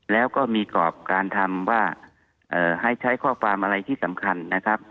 แล้วก็มีกรอบการทำว่าให้ใช้ข้อความอะไรที่สำคัญนะครับ